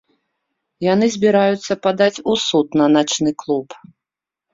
Яны збіраюцца падаць у суд на начны клуб.